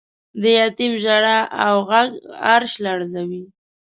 د یتیم ژړا او غږ عرش لړزوی.